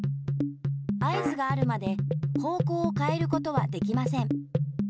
合図があるまで方向をかえることはできません。